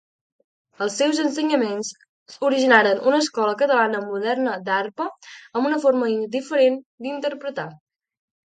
Els seus ensenyaments originaren una escola Catalana Moderna d'Arpa, amb una forma diferent d'interpretar.